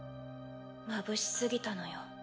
まぶしすぎたのよ